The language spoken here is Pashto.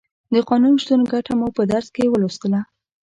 د قانون شتون ګټه مو په درس کې ولوستله.